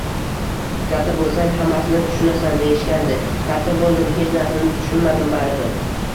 Katta bo'lsang hammasini tushunasan! deyishgandi. Katta bo'ldim, hech narsani tushunmadim, baribir!